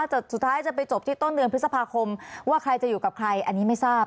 สุดท้ายจะไปจบที่ต้นเดือนพฤษภาคมว่าใครจะอยู่กับใครอันนี้ไม่ทราบ